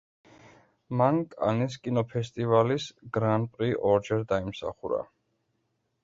მან კანის კინო ფესტივალის „გრან პრი“ ორჯერ დაიმსახურა.